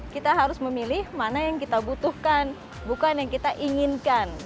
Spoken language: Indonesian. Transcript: kita harus memilih mana yang kita butuhkan bukan yang kita inginkan